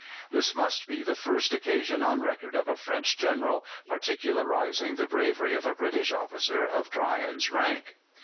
This must be the first occasion on record of a French General particularizing the bravery of a British officer of Tryon's rank.